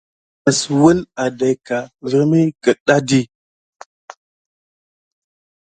Məs wouna nà aɗaïka virmi keɗani.